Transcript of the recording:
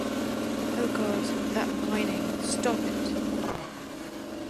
Oh, God, that whining. Stop it!